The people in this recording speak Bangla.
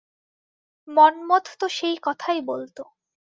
মন্মথ তো সেই কথাই বলত ।